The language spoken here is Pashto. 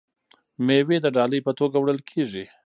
میوې د ډالۍ په توګه وړل کیږي.